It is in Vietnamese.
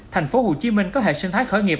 thành phố hồ chí minh có hệ sinh thái khởi nghiệp